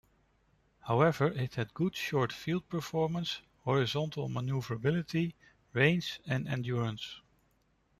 However, it had good short field performance, horizontal manoeuvrability, range and endurance.